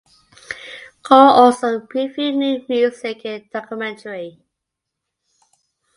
Cole also previewed new music in the documentary.